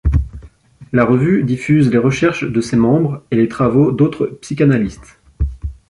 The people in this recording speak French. La revue diffuse les recherches de ses membres et les travaux d'autres psychanalystes.